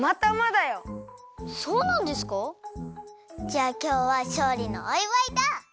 じゃあきょうはしょうりのおいわいだ！